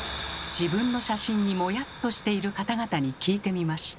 自分の写真にモヤッとしている方々に聞いてみました。